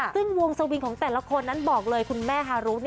ซึ่งวงสวิงของแต่ละคนนั้นบอกเลยคุณแม่ฮารุ